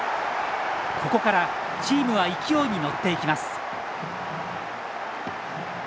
ここからチームは勢いに乗っていきます。